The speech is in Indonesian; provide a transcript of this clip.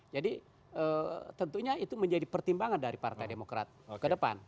jadi tentunya itu menjadi pertimbangan dari partai demokrat ke depan